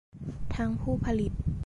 ทั้งผู้ผลิต